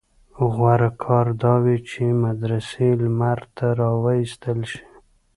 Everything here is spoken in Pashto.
غوره کار دا وي چې مدرسې لمر ته راوایستل شي.